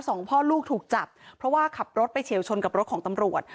สองพ่อลูกถูกจับเพราะว่าขับรถไปเฉียวชนกับรถของตำรวจ